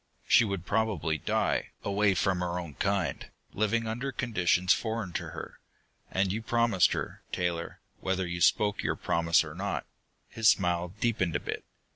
She would probably die, away from her own kind, living under conditions foreign to her. And you promised her, Taylor, whether you spoke your promise or not." His smile deepened a bit.